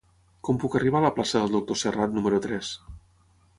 Com puc arribar a la plaça del Doctor Serrat número tres?